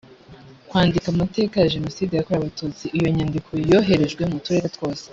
kwandika amateka ya jenoside yakorewe abatutsi iyo nyandiko yoherejwe mu turere twose